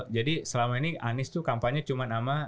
jadi selama ini anies tuh kampanye cuma nama